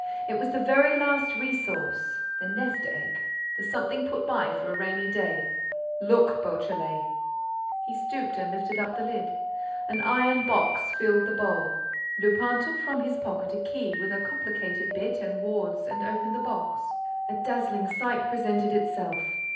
It was the very last resource, the nest egg, the something put by for a rainy day. Look, Beautrelet!" He stooped and lifted up the lid. An iron box filled the bowl. Lupin took from his pocket a key with a complicated bit and wards and opened the box. A dazzling sight presented itself.